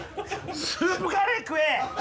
スープカレー食え！